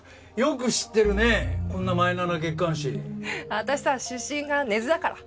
私さ出身が根津だから。